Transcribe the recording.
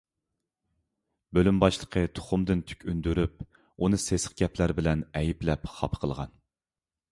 بۆلۈم باشلىقى تۇخۇمدىن تۈك ئۈندۈرۈپ، ئۇنى سېسىق گەپلەر بىلەن ئەيىبلەپ خاپا قىلغان.